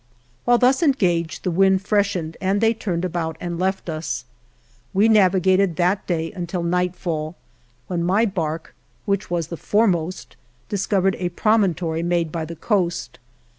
While thus engaged the wind freshened and they turned about and left us. We navi gated that day until nightfall, when my bark, which was the foremost, discovered a promontory made by the coast.